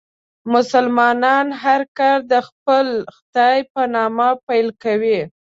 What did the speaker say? مسلمانان هر کار د خپل خدای په نامه پیل کوي.